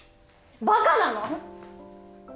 バカなの？